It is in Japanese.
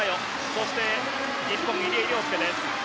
そして日本、入江陵介です。